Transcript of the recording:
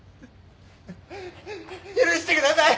許してください！